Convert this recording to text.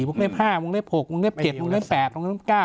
วงเล็บห้าวงเล็บหกวงเล็บเจ็ดวงเล็บแปดวงเล็บเก้า